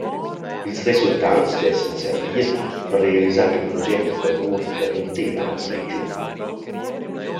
Ils resultats dessan servir per realisar il proget a favur da l’intera regiun.